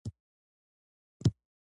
د توکو یوه ځانګړتیا د اړتیاوو پوره کول دي.